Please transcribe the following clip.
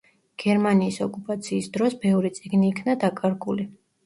გერმანიის ოკუპაციის დროს ბევრი წიგნი იქნა დაკარგული.